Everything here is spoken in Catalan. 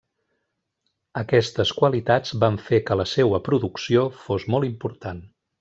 Aquestes qualitats van fer que la seua producció fos molt important.